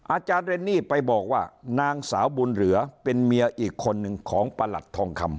อาจารย์เรนนี่ไปบอกว่านางสาวบุญเหลือเป็นเมียอีกคนนึงของประหลัดทองคำ